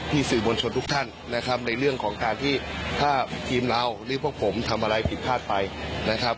สื่อมวลชนทุกท่านนะครับในเรื่องของการที่ถ้าทีมเราหรือพวกผมทำอะไรผิดพลาดไปนะครับ